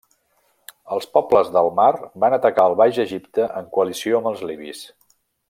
Els Pobles del mar van atacar el Baix Egipte en coalició amb els libis.